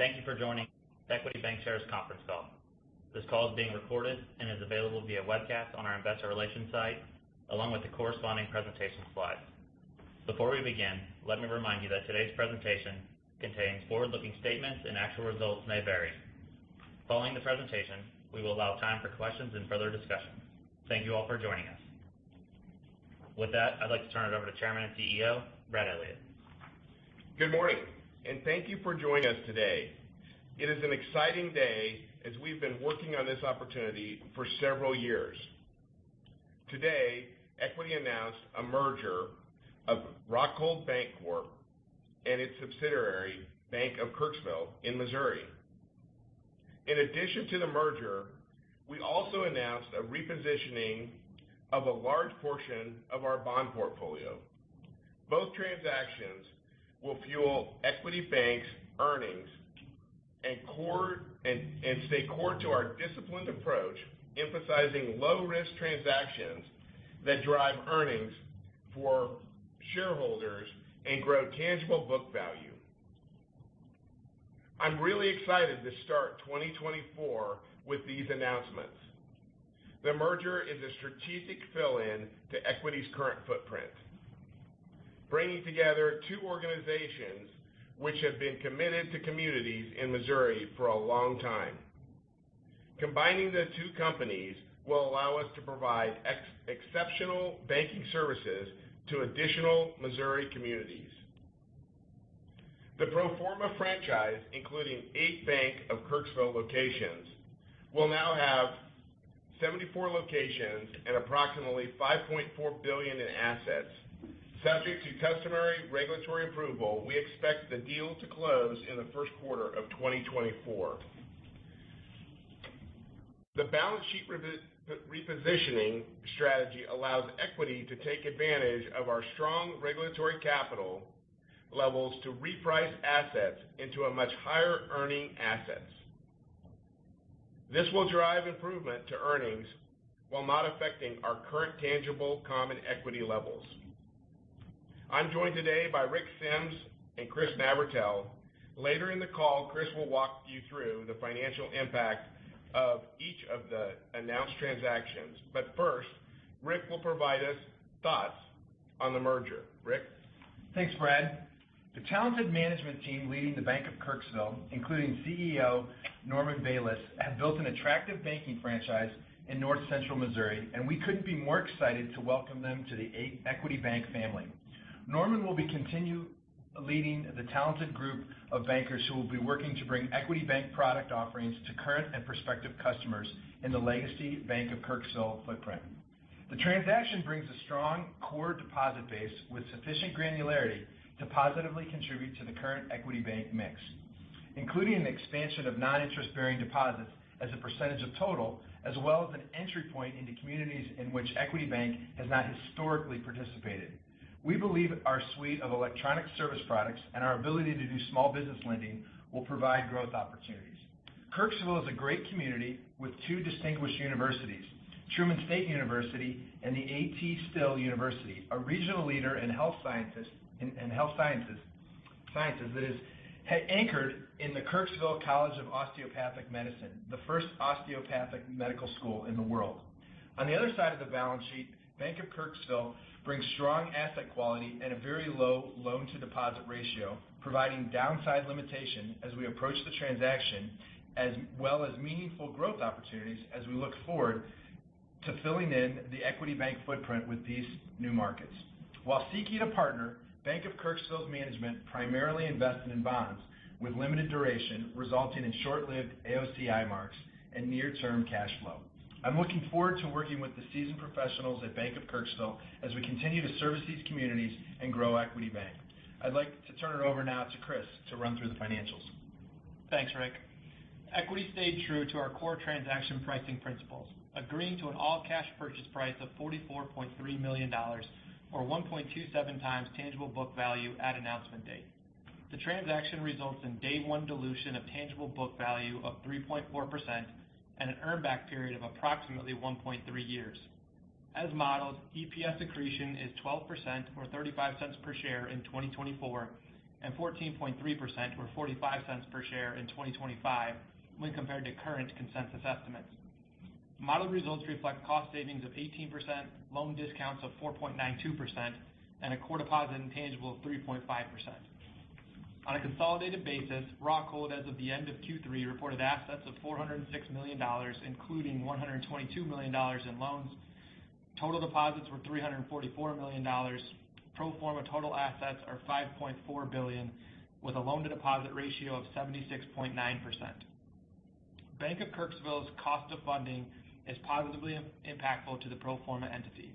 Thank you for joining Equity Bancshares conference call. This call is being recorded and is available via webcast on our investor relations site, along with the corresponding presentation slides. Before we begin, let me remind you that today's presentation contains forward-looking statements and actual results may vary. Following the presentation, we will allow time for questions and further discussion. Thank you all for joining us. With that, I'd like to turn it over to Chairman and CEO, Brad Elliott. Good morning, and thank you for joining us today. It is an exciting day as we've been working on this opportunity for several years. Today, Equity announced a merger of Rockhold Bancorp and its subsidiary, Bank of Kirksville in Missouri. In addition to the merger, we also announced a repositioning of a large portion of our bond portfolio. Both transactions will fuel Equity Bank's earnings and core to our disciplined approach, emphasizing low-risk transactions that drive earnings for shareholders and grow tangible book value. I'm really excited to start 2024 with these announcements. The merger is a strategic fill-in to Equity's current footprint, bringing together two organizations which have been committed to communities in Missouri for a long time. Combining the two companies will allow us to provide exceptional banking services to additional Missouri communities. The pro forma franchise, including eight Bank of Kirksville locations, will now have 74 locations and approximately $5.4 billion in assets. Subject to customary regulatory approval, we expect the deal to close in the first quarter of 2024. The balance sheet repositioning strategy allows Equity to take advantage of our strong regulatory capital levels to reprice assets into much higher-earning assets. This will drive improvement to earnings while not affecting our current tangible common equity levels. I'm joined today by Rick Sems and Chris Navratil. Later in the call, Chris will walk you through the financial impact of each of the announced transactions. But first, Rick will provide us thoughts on the merger. Rick? Thanks, Brad. The talented management team leading the Bank of Kirksville, including CEO Norman Belitz, have built an attractive banking franchise in North Central Missouri, and we couldn't be more excited to welcome them to the Equity Bank family. Norman will continue leading the talented group of bankers who will be working to bring Equity Bank product offerings to current and prospective customers in the legacy Bank of Kirksville footprint. The transaction brings a strong core deposit base with sufficient granularity to positively contribute to the current Equity Bank mix, including an expansion of non-interest-bearing deposits as a percentage of total, as well as an entry point into communities in which Equity Bank has not historically participated. We believe our suite of electronic service products and our ability to do small business lending will provide growth opportunities. Kirksville is a great community with two distinguished universities, Truman State University and the A.T. Still University, a regional leader in health sciences that is anchored in the Kirksville College of Osteopathic Medicine, the first osteopathic medical school in the world. On the other side of the balance sheet, Bank of Kirksville brings strong asset quality and a very low loan-to-deposit ratio, providing downside limitation as we approach the transaction, as well as meaningful growth opportunities as we look forward to filling in the Equity Bank footprint with these new markets. While seeking to partner, Bank of Kirksville's management primarily invested in bonds with limited duration, resulting in short-lived AOCI marks and near-term cash flow. I'm looking forward to working with the seasoned professionals at Bank of Kirksville as we continue to service these communities and grow Equity Bank. I'd like to turn it over now to Chris to run through the financials. Thanks, Rick. Equity stayed true to our core transaction pricing principles, agreeing to an all-cash purchase price of $44.3 million, or 1.27x tangible book value at announcement date. The transaction results in day one dilution of tangible book value of 3.4% and an earn back period of approximately 1.3 years. As modeled, EPS accretion is 12% or $0.35 per share in 2024, and 14.3% or $0.45 per share in 2025 when compared to current consensus estimates. Modeled results reflect cost savings of 18%, loan discounts of 4.92%, and a core deposit intangible of 3.5%. On a consolidated basis, Rockhold, as of the end of Q3, reported assets of $406 million, including $122 million in loans. Total deposits were $344 million. Pro forma total assets are $5.4 billion, with a loan-to-deposit ratio of 76.9%. Bank of Kirksville's cost of funding is positively impactful to the pro forma entity,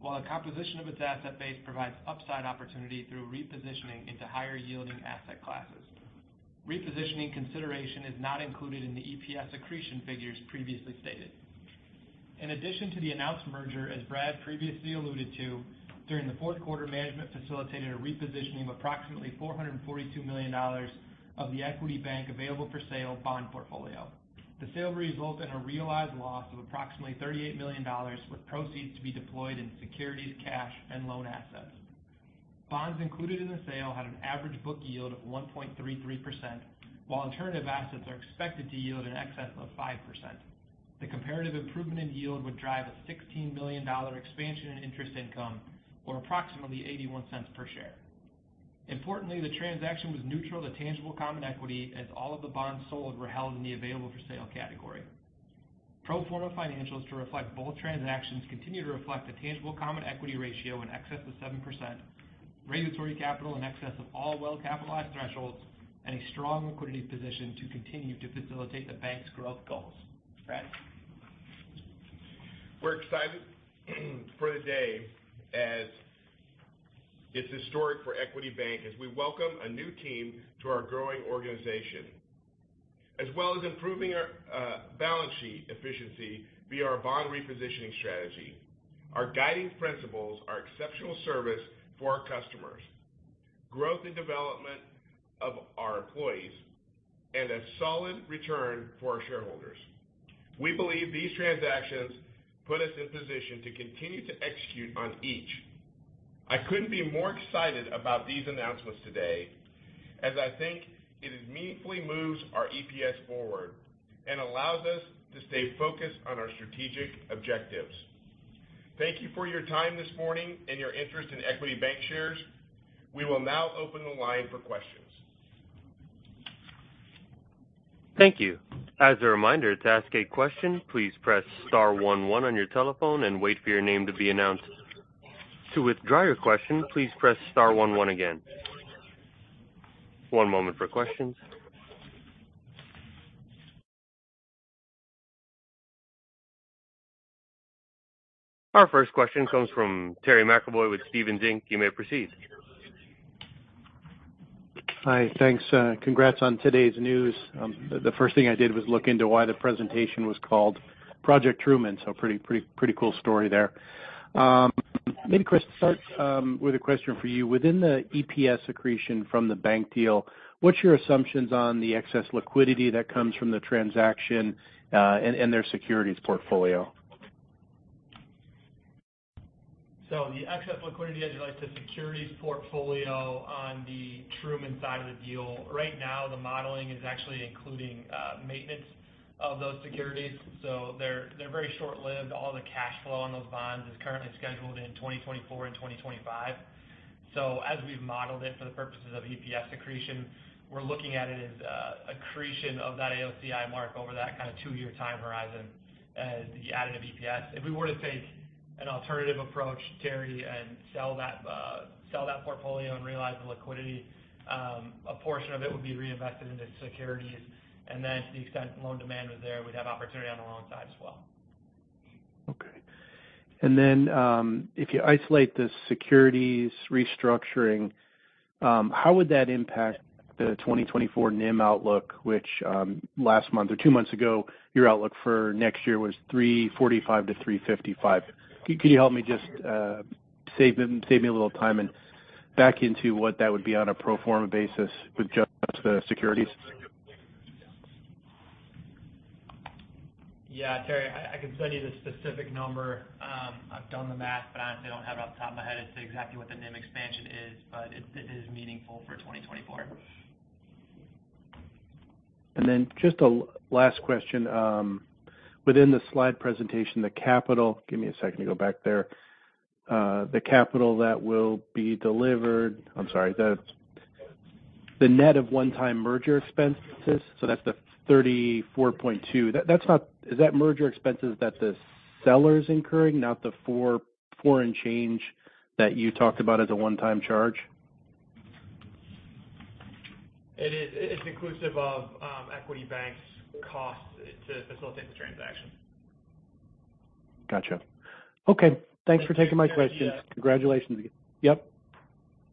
while the composition of its asset base provides upside opportunity through repositioning into higher-yielding asset classes. Repositioning consideration is not included in the EPS accretion figures previously stated. In addition to the announced merger, as Brad previously alluded to, during the fourth quarter, management facilitated a repositioning of approximately $442 million of the Equity Bank available-for-sale bond portfolio. The sale will result in a realized loss of approximately $38 million, with proceeds to be deployed in securities, cash, and loan assets. Bonds included in the sale had an average book yield of 1.33%, while alternative assets are expected to yield in excess of 5%. The comparative improvement in yield would drive a $16 million expansion in interest income, or approximately $0.81 per share. Importantly, the transaction was neutral to tangible common equity, as all of the bonds sold were held in the available-for-sale category. Pro forma financials to reflect both transactions continue to reflect a tangible common equity ratio in excess of 7%, regulatory capital in excess of all well-capitalized thresholds, and a strong liquidity position to continue to facilitate the bank's growth goals. Brad? We're excited for the day, as it's historic for Equity Bank as we welcome a new team to our growing organization. As well as improving our balance sheet efficiency via our bond repositioning strategy, our guiding principles are exceptional service for our customers, growth and development of our employees, and a solid return for our shareholders. We believe these transactions put us in position to continue to execute on each. I couldn't be more excited about these announcements today, as I think it has meaningfully moves our EPS forward and allows us to stay focused on our strategic objectives. Thank you for your time this morning and your interest in Equity Bancshares. We will now open the line for questions. Thank you. As a reminder, to ask a question, please press star one one on your telephone and wait for your name to be announced. To withdraw your question, please press star one one again. One moment for questions. Our first question comes from Terry McEvoy with Stephens Inc. You may proceed. Hi. Thanks, congrats on today's news. The first thing I did was look into why the presentation was called Project Truman. So pretty, pretty, pretty cool story there. Maybe, Chris, start with a question for you. Within the EPS accretion from the bank deal, what's your assumptions on the excess liquidity that comes from the transaction, and their securities portfolio? So the excess liquidity, as you know the securities portfolio on the Truman side of the deal, right now, the modeling is actually including maintenance of those securities. So they're very short-lived. All the cash flow on those bonds is currently scheduled in 2024 and 2025. So as we've modeled it for the purposes of EPS accretion, we're looking at it as accretion of that AOCI mark over that kind of two-year time horizon as the additive EPS. If we were to take an alternative approach, Terry, and sell that portfolio and realize the liquidity, a portion of it would be reinvested into securities. And then to the extent loan demand was there, we'd have opportunity on the loan side as well. Okay. And then, if you isolate the securities restructuring, how would that impact the 2024 NIM outlook, which, last month or two months ago, your outlook for next year was 3.45%-3.55%? Can you help me just, save me, save me a little time and back into what that would be on a pro forma basis with just, just the securities? Yeah, Terry, I can send you the specific number. I've done the math, but I don't have it off the top of my head as to exactly what the NIM expansion is, but it is meaningful for 2024. Then just a last question. Within the slide presentation, the capital, give me a second to go back there. The capital that will be delivered. I'm sorry, the net of one-time merger expenses, so that's the $34.2. That's not, is that merger expenses that the seller's incurring, not the foreign change that you talked about as a one-time charge? It is. It's inclusive of, Equity Bank's cost to facilitate the transaction. Gotcha. Okay. Thanks for taking my questions. Yeah. Congratulations again. Yep.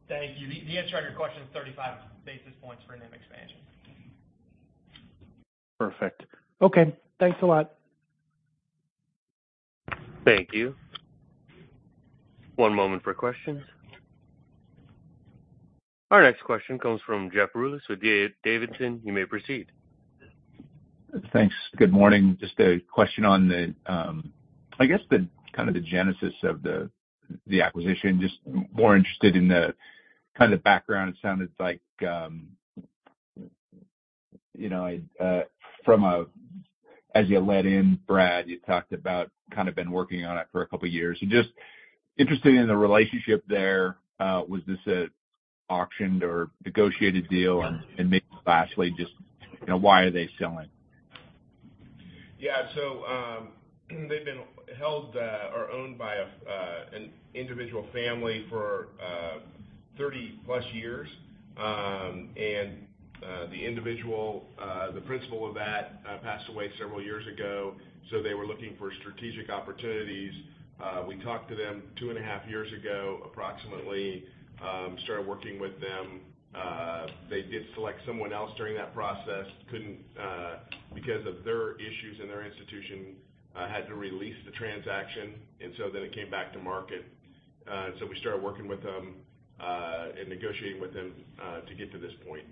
Thank you. The answer to your question is 35 basis points for NIM expansion. Perfect. Okay, thanks a lot. Thank you. One moment for questions. Our next question comes from Jeff Rulis with D.A. Davidson. You may proceed. Thanks. Good morning. Just a question on the, I guess, the kind of genesis of the acquisition. Just more interested in the kind of background. It sounded like, you know, from, as you led in, Brad, you talked about kind of been working on it for a couple of years. And just interested in the relationship there. Was this an auctioned or negotiated deal? And maybe lastly, just, you know, why are they selling? Yeah, so, they've been held or owned by an individual family for 30-plus years. The individual, the principal of that, passed away several years ago, so they were looking for strategic opportunities. We talked to them 2.5 years ago, approximately, started working with them. They did select someone else during that process. Couldn't, because of their issues in their institution, had to release the transaction, and so then it came back to market. And so we started working with them, and negotiating with them, to get to this point. ...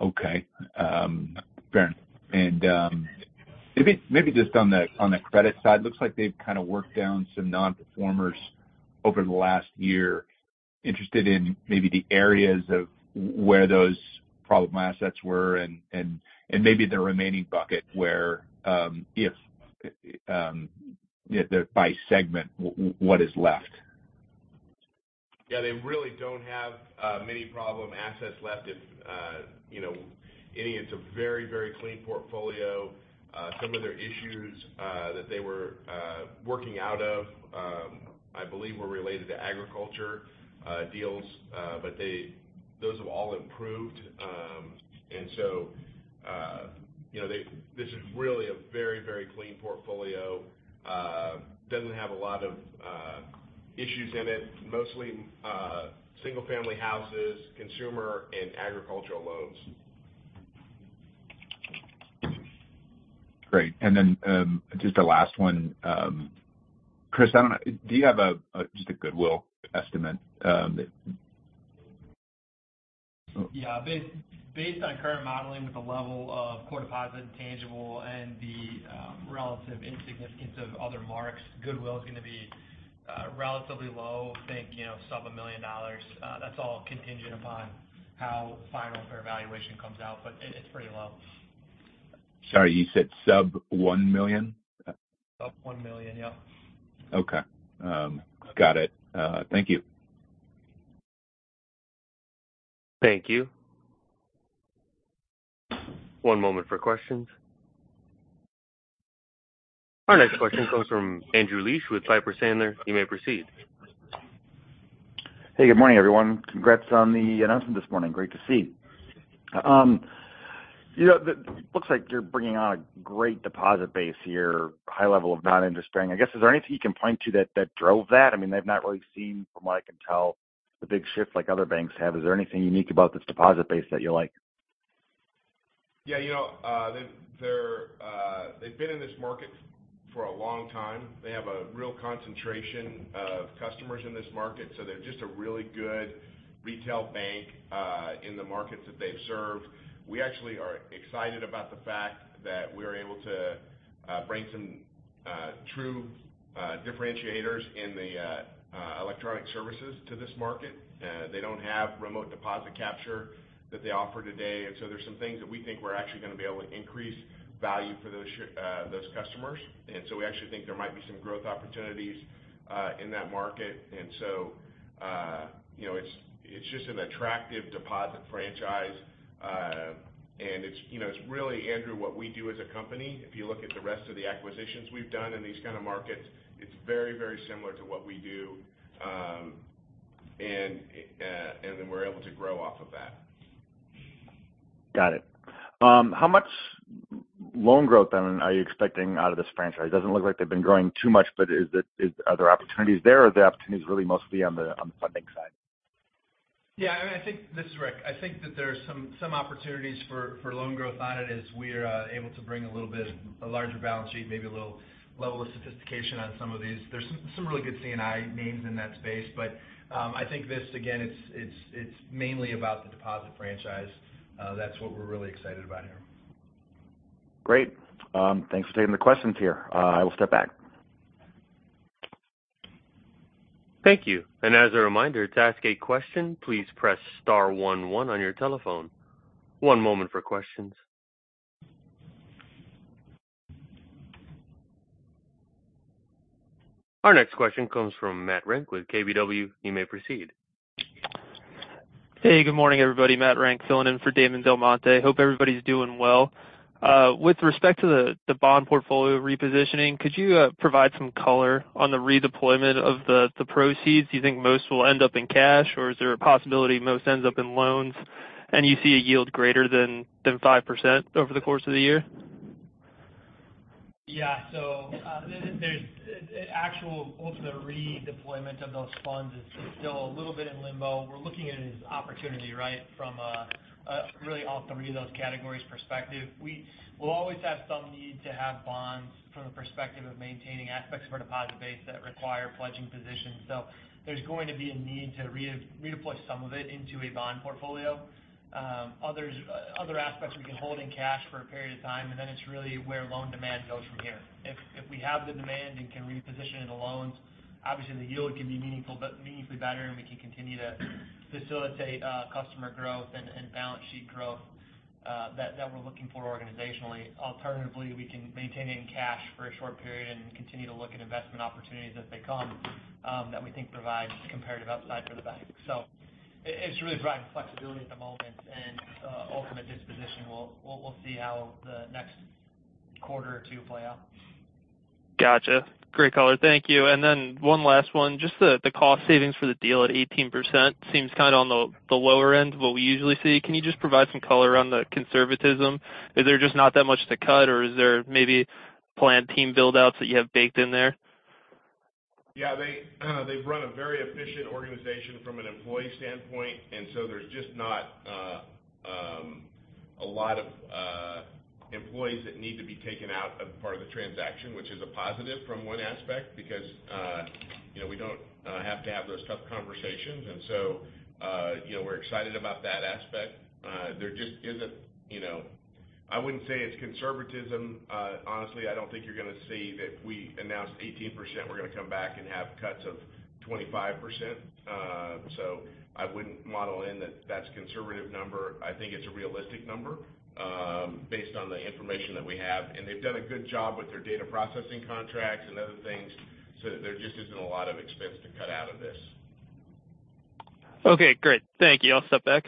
Okay. Fair. And maybe just on the credit side, looks like they've kind of worked down some non-performers over the last year. Interested in maybe the areas where those problem assets were and maybe the remaining bucket where, by segment, what is left? Yeah, they really don't have many problem assets left. If you know any it's a very, very clean portfolio. Some of their issues that they were working out of, I believe were related to agriculture deals. But they—those have all improved. And so you know they this is really a very, very clean portfolio. Doesn't have a lot of issues in it. Mostly single family houses, consumer and agricultural loans. Great. And then, just a last one. Chris, I don't know, do you have just a goodwill estimate? Yeah. Based on current modeling with the level of core deposit intangible and the relative insignificance of other marks, goodwill is going to be relatively low. Think, you know, sub $1 million. That's all contingent upon how final fair evaluation comes out, but it, it's pretty low. Sorry, you said sub 1 million? Sub $1 million, yep. Okay. Got it. Thank you. Thank you. One moment for questions. Our next question comes from Andrew Liesch with Piper Sandler. You may proceed. Hey, good morning, everyone. Congrats on the announcement this morning. Great to see. You know, the looks like you're bringing on a great deposit base here, high level of non-interest bearing. I guess, is there anything you can point to that drove that? I mean, they've not really seen, from what I can tell, the big shifts like other banks have. Is there anything unique about this deposit base that you like? Yeah, you know, they've been in this market for a long time. They have a real concentration of customers in this market, so they're just a really good retail bank in the markets that they've served. We actually are excited about the fact that we're able to bring some true differentiators in the electronic services to this market. They don't have remote deposit capture that they offer today. And so there's some things that we think we're actually going to be able to increase value for those customers. And so we actually think there might be some growth opportunities in that market. And so, you know, it's just an attractive deposit franchise. And it's, you know, it's really, Andrew, what we do as a company. If you look at the rest of the acquisitions we've done in these kind of markets, it's very, very similar to what we do. Then we're able to grow off of that. Got it. How much loan growth then are you expecting out of this franchise? It doesn't look like they've been growing too much, but is it, is, are there opportunities there, or are the opportunities really mostly on the, on the funding side? Yeah, I think this is Rick. I think that there are some opportunities for loan growth on it, as we are able to bring a little bit a larger balance sheet, maybe a little level of sophistication on some of these. There's some really good C&I names in that space. But I think this, again, it's mainly about the deposit franchise. That's what we're really excited about here. Great. Thanks for taking the questions here. I will step back. Thank you. As a reminder, to ask a question, please press star one one on your telephone. One moment for questions. Our next question comes from Matt Rantz with KBW. You may proceed. Hey, good morning, everybody. Matt Rantz filling in for Damon DelMonte. Hope everybody's doing well. With respect to the bond portfolio repositioning, could you provide some color on the redeployment of the proceeds? Do you think most will end up in cash, or is there a possibility most ends up in loans, and you see a yield greater than 5% over the course of the year? Yeah. So, the actual ultimate redeployment of those funds is still a little bit in limbo. We're looking at it as opportunity, right? From a really all three of those categories perspective. We'll always have some need to have bonds from the perspective of maintaining aspects of our deposit base that require pledging positions. So there's going to be a need to redeploy some of it into a bond portfolio. Other aspects, we can hold in cash for a period of time, and then it's really where loan demand goes from here. If we have the demand and can reposition it into loans, obviously the yield can be meaningful, but meaningfully better, and we can continue to facilitate customer growth and balance sheet growth that we're looking for organizationally. Alternatively, we can maintain it in cash for a short period and continue to look at investment opportunities as they come, that we think provide comparative upside for the bank. So it's really driving flexibility at the moment and ultimate disposition, we'll see how the next quarter or two play out. Gotcha. Great color. Thank you. Then one last one. Just the cost savings for the deal at 18% seems kind of on the lower end of what we usually see. Can you just provide some color around the conservatism? Is there just not that much to cut, or is there maybe planned team build outs that you have baked in there? Yeah, they, they've run a very efficient organization from an employee standpoint, and so there's just not a lot of employees that need to be taken out as part of the transaction, which is a positive from one aspect, because, you know, we don't have to have those tough conversations. And so, you know, we're excited about that aspect. There just isn't—you know, I wouldn't say it's conservatism. Honestly, I don't think you're going to see that we announced 18%, we're going to come back and have cuts of 25%. So I wouldn't model in that, that's conservative number. I think it's a realistic number, based on the information that we have. They've done a good job with their data processing contracts and other things, so there just isn't a lot of expense to cut out of this. Okay, great. Thank you. I'll step back.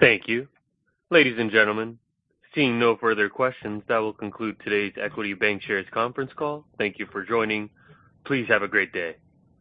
Thank you. Ladies and gentlemen, seeing no further questions, that will conclude today's Equity Bancshares conference call. Thank you for joining. Please have a great day.